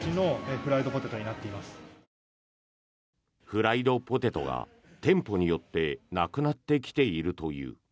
フライドポテトが店舗によってなくなってきているという。